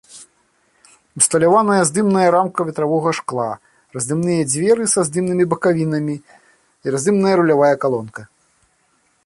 Усталяваная здымная рамка ветравога шкла, раздымныя дзверы са здымнымі бакавінамі і раздымная рулявая калонка.